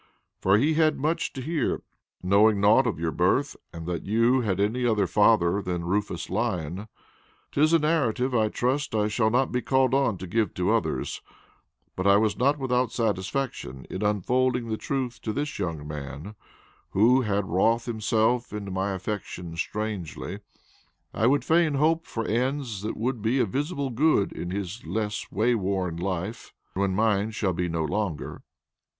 For he had much to hear, knowing naught of your birth, and that you had any other father than Rufus Lyon. 'Tis a narrative I trust I shall not be called on to give to others; but I was not without satisfaction in unfolding the truth to this young man, who hath wrought himself into my affection strangely I would fain hope for ends that will be a visible good in his less way worn life, when mine shall be no longer."